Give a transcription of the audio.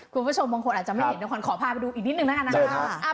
คุณผู้ชมบางคนอาจจะไม่เห็นขอพาไปดูอีกนิดนึงนะครับ